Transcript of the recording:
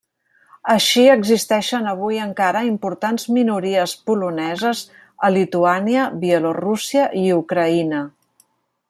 Així existeixen avui encara importants minories poloneses a Lituània, Bielorússia i Ucraïna.